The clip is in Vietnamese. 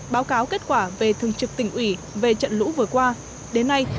báo cáo kết quả về thường trực tỉnh ủy về trận lũ vừa qua